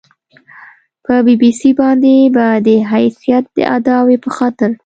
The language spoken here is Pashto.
په بي بي سي باندې به د حیثیت د اعادې په خاطر